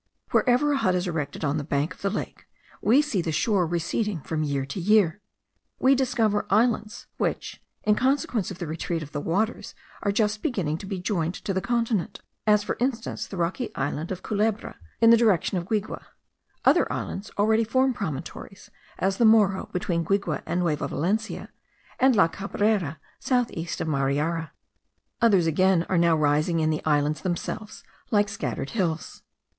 Wherever a hut is erected on the bank of the lake, we see the shore receding from year to year. We discover islands, which, in consequence of the retreat of the waters, are just beginning to be joined to the continent, as for instance the rocky island of Culebra, in the direction of Guigue; other islands already form promontories, as the Morro, between Guigue and Nueva Valencia, and La Cabrera, south east of Mariara; others again are now rising in the islands themselves like scattered hills.